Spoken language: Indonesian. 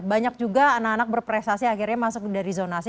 banyak juga anak anak berprestasi akhirnya masuk dari zonasi